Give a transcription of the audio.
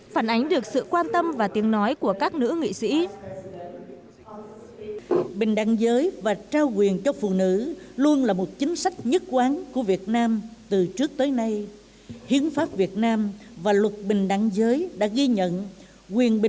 phản ánh được sự quan tâm và tiếng nói